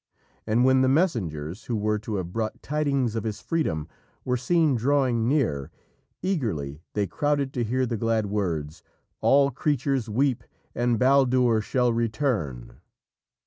And when the messengers who were to have brought tidings of his freedom were seen drawing near, eagerly they crowded to hear the glad words, "_All creatures weep, and Baldur shall return!